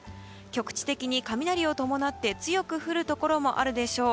局地的に雷を伴って強く降るところもあるでしょう。